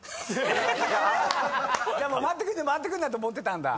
回ってくんなと思ってたんだ？